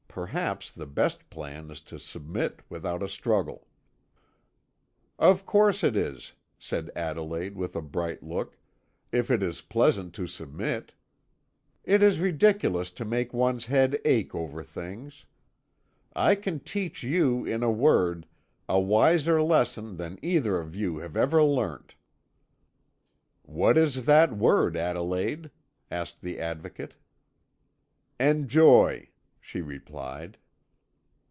Perhaps the best plan is to submit without a struggle." "Of course it is," said Adelaide with a bright look, "if it is pleasant to submit. It is ridiculous to make one's head ache over things. I can teach you, in a word, a wiser lesson than either of you have ever learnt." "What is that word, Adelaide?" asked the Advocate. "Enjoy," she replied.